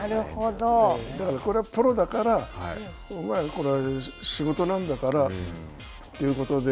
だから、これはプロだから、これは仕事なんだからということで